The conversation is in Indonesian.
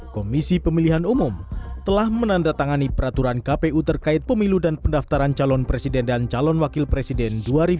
komisi pemilihan umum telah menandatangani peraturan kpu terkait pemilu dan pendaftaran calon presiden dan calon wakil presiden dua ribu dua puluh